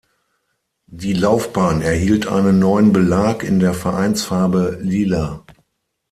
Die Laufbahn erhielt einen neuen Belag in der Vereinsfarbe Lila.